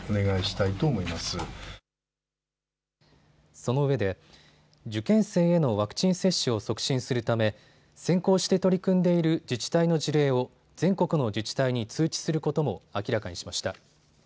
そのうえで受験生へのワクチン接種を促進するため先行して取り組んでいる自治体の事例を全国の自治体に通知することも明らかにしました。